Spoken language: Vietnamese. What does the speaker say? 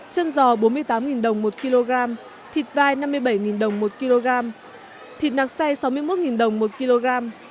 chân giò bốn mươi tám đồng một kg thịt vai năm mươi bảy đồng một kg thịt nạc say sáu mươi một đồng một kg